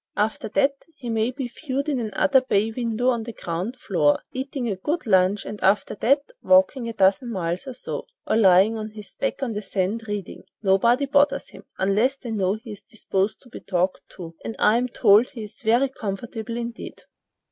After that, he may be viewed in another bay window on the ground floor, eating a good lunch; and after that, walking a dozen miles or so, or lying on his back on the sand reading. Nobody bothers him, unless they know he is disposed to be talked to; and I am told he is very comfortable, indeed."